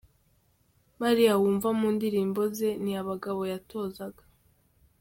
Bariya wumva mu ndirimbo ze ni abagabo yatozaga.